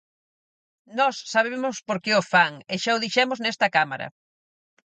Nós sabemos por que o fan, e xa o dixemos nesta Cámara.